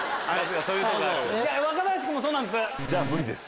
若林君もそうなんです。